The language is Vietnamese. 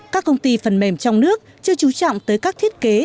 các công ty phần mềm trong nước chưa trú trọng tới các thiết kế